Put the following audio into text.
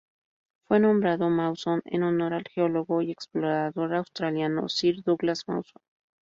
Fue nombrado Mawson en honor al geólogo y explorador australiano Sir Douglas Mawson.